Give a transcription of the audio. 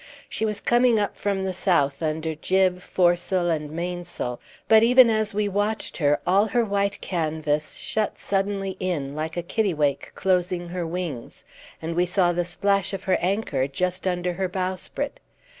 She was coming up from the south under jib, foresail, and mainsail; but even as we watched her all her white canvas shut suddenly in, like a kittiwake closing her wings, and we saw the splash of her anchor just under her bowsprit.